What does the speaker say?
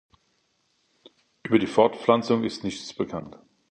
Über die Fortpflanzung ist nichts bekannt.